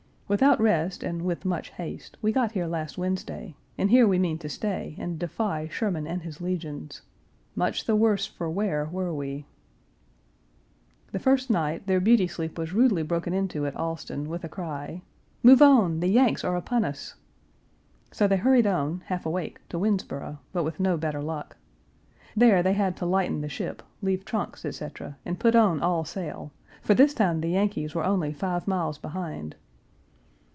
Without rest and with much haste, we got here last Wednesday, and here we mean to stay and defy Sherman and his legions. Much the worse for wear were we." The first night their beauty sleep was rudely broken into at Alston with a cry, "Move on, the Yanks are upon us!" So they hurried on, half awake, to Winnsboro, but with no better luck. There they had to lighten the ship, leave trunks, etc., and put on all sail, for this time the Yankees were only five miles behind.